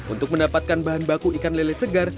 untuk mendapatkan bahan baku ikan lele segar